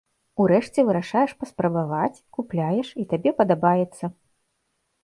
Урэшце вырашаеш паспрабаваць, купляеш, і табе падабаецца.